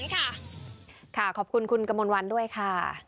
ขอบคุณคุณกมลวันด้วยค่ะ